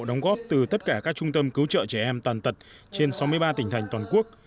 đóng góp từ tất cả các trung tâm cứu trợ trẻ em tàn tật trên sáu mươi ba tỉnh thành toàn quốc